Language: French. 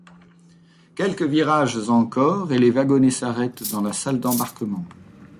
Quelques virages encore, et les wagonnets s'arrêtent dans la salle d'embarquement.